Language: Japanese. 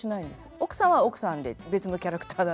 奥さんは奥さんで別のキャラクターなんですけど。